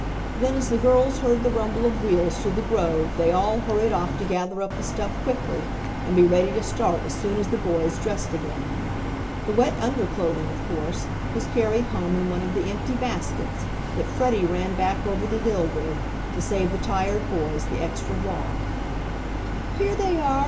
Then as the girls heard the rumble of wheels through the grove they all hurried off to gather up the stuff quickly, and be ready to start as soon as the boys dressed again. The wet under clothing, of course, was carried home in one of the empty baskets that Freddie ran back over the hill with to save the tired boys the extra walk. "Here they are!